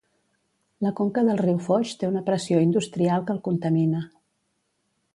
La conca del riu Foix té una pressió industrial que el contamina.